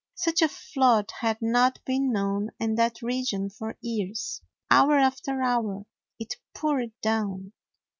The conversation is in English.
Such a flood had not been known in that region for years. Hour after hour it poured down.